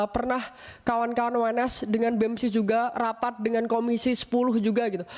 pernah kawan kawan uns dengan bemsi juga rapat dengan komisi sepuluh juga gitu